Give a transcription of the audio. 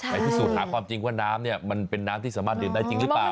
พิสูจน์หาความจริงว่าน้ำเนี่ยมันเป็นน้ำที่สามารถดื่มได้จริงหรือเปล่า